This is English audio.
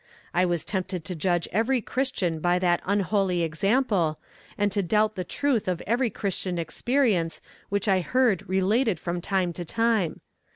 I was tempted to judge every christian by that unholy example, and to doubt the truth of every christian experience which I heard related from time to time.